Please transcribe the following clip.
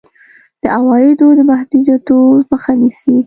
د عوایدو د محدودېدو مخه نیسي.